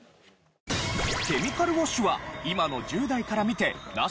ケミカルウォッシュは今の１０代から見てナシ？